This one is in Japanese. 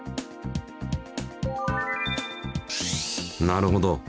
なるほど。